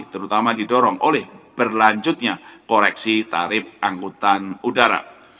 terutama didorong oleh berlanjutnya koreksi tarif angkutan udara